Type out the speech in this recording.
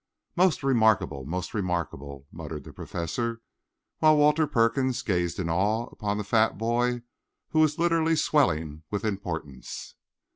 "Most remarkable, most remarkable!" muttered the Professor, while Walter Perkins gazed in awe upon the fat boy, who was literally swelling with importance.